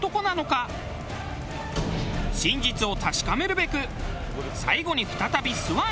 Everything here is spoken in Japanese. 真実を確かめるべく最後に再びすわんへ。